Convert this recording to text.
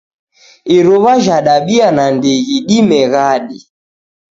Iruw'a jhadabia nandighi dimeghadi